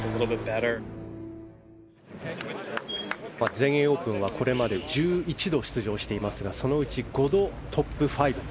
全英オープンはこれまで１１度出場していますがそのうち５度、トップ５。